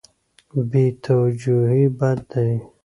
بې توجهي بد دی.